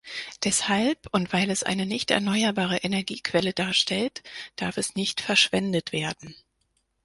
Deshalb und weil es eine nicht erneuerbare Energiequelle darstellt, darf es nicht verschwendet werden.